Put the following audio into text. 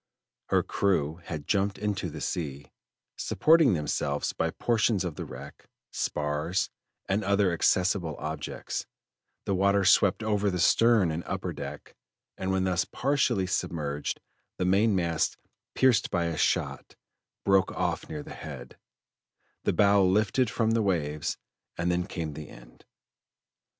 Her crew had jumped into the sea, supporting themselves by portions of the wreck, spars, and other accessible objects, the water swept over the stern and upper deck, and when thus partially submerged, the mainmast, pierced by a shot, broke off near the head, the bow lifted from the waves, and then came the end.